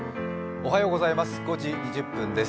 おはようございます。